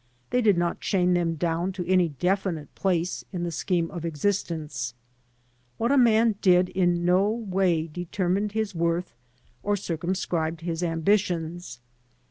They did not chain them down to any definite place in the scheme of existence. What a man did in no way determined his worth or circumscribed his ambitions.